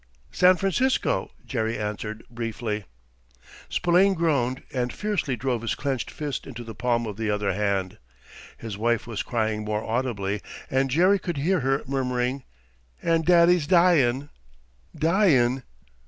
"San Francisco," Jerry answered, briefly. Spillane groaned, and fiercely drove his clenched fist into the palm of the other hand. His wife was crying more audibly, and Jerry could hear her murmuring, "And daddy's dyin', dyin'!"